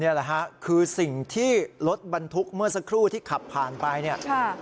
นี่แหละฮะคือสิ่งที่รถบรรทุกเมื่อสักครู่ที่ขับผ่านไปเนี่ย